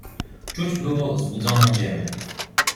"Czuć było zbudzoną ziemię."